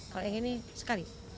kalau yang ini sekali